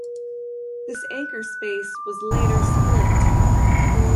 This anchor space was later split.